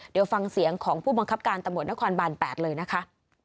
เดี๋ยวฟังเสียงของผู้บังคับการตำรวจนครบาน๘เลยนะคะ